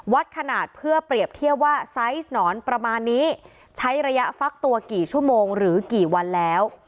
ขนาดเพื่อเปรียบเทียบว่าไซส์หนอนประมาณนี้ใช้ระยะฟักตัวกี่ชั่วโมงหรือกี่วันแล้ว